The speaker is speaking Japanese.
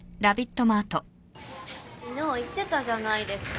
昨日言ってたじゃないですか。